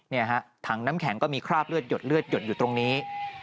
ฮะถังน้ำแข็งก็มีคราบเลือดหยดเลือดหยดอยู่ตรงนี้